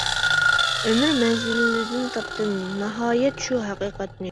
ئۆمۈر مەنزىلىدىن تاپتىم ناھايەت شۇ ھەقىقەتنى.